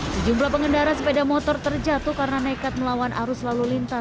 sejumlah pengendara sepeda motor terjatuh karena nekat melawan arus lalu lintas